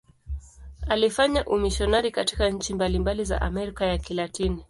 Alifanya umisionari katika nchi mbalimbali za Amerika ya Kilatini.